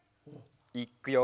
いっくよ！